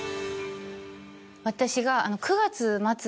私が。